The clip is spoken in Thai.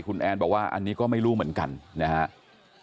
คุณแอนบอกว่าอันนี้ก็ไม่รู้เหมือนกันนะครับ